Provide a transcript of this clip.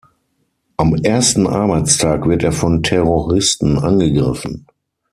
Am ersten Arbeitstag wird er von Terroristen angegriffen.